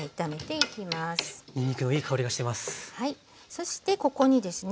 そしてここにですね